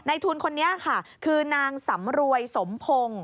ทุนคนนี้ค่ะคือนางสำรวยสมพงศ์